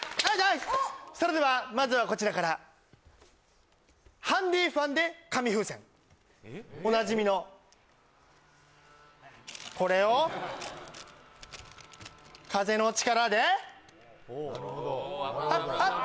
それではまずはこちらからハンディーファンで紙風船おなじみのこれを風の力ではっはっ